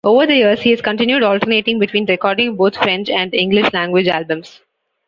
Over the years, he has continued alternating between recording both French and English-language albums.